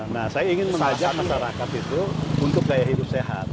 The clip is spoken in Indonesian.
nah saya ingin mengajak masyarakat itu untuk gaya hidup sehat